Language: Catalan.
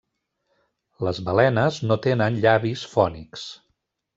Les balenes no tenen llavis fònics.